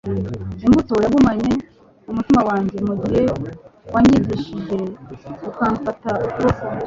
imbuto yagumye mu mutima wanjye, mugihe wanyigishije ukamfata ukuboko